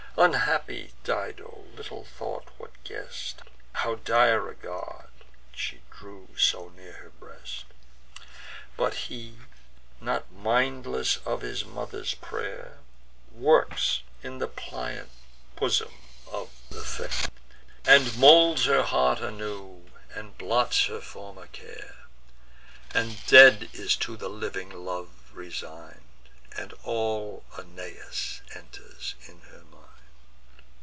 Unhappy Dido little thought what guest, How dire a god, she drew so near her breast; But he, not mindless of his mother's pray'r, Works in the pliant bosom of the fair, And moulds her heart anew, and blots her former care. The dead is to the living love resign'd; And all Aeneas enters in her mind.